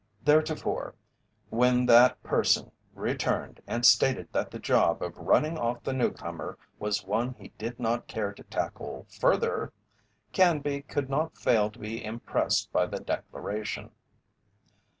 Theretofore when that person returned and stated that the job of running off the newcomer was one he did not care to tackle further, Canby could not fail to be impressed by the declaration.